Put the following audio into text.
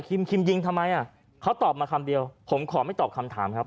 คิมยิงทำไมอ่ะเขาตอบมาคำเดียวผมขอไม่ตอบคำถามครับ